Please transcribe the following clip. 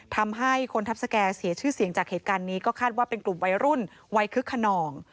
ทำให้คนทัพสแก่เสียชื่อเสียงจากเหตุการณ์นี้ก็คาดว่าเป็นกลุ่มวัยรุ่นวัยคึกขนอง